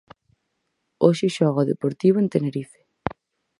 Hoxe xoga o Deportivo en Tenerife.